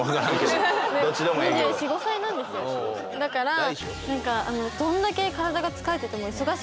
だから何か。